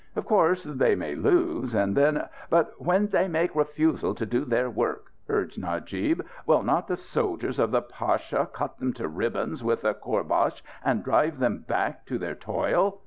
Of course, they may lose. And then " "But when they make refusal to do their work," urged Najib, "will not the soldiers of the pasha cut them to ribbons with the kourbash and drive them back to their toil?